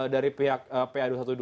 dari pihak pa dua ratus dua belas